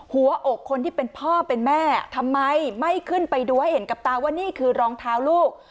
หัวอกคนที่เป็นพ่อเป็นแม่ทำไมไม่ขึ้นไปดูให้เห็นกับตาว่านี่คือรองเท้าลูก